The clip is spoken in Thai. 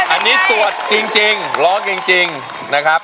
อันนี้ตรวจจริงร้อนจริงนะครับ